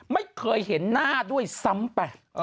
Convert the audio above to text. ไม่เคยเห็นหน้าด้วยซ้ำไป